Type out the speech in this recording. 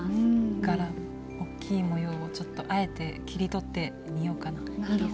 柄大きい模様をちょっとあえて切り取ってみようかな。